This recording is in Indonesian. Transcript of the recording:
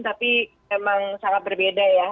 tapi memang sangat berbeda ya